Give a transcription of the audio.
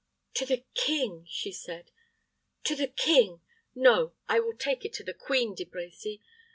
"To the king!" she said; "to the king! No, I will take it to the queen, De Brecy.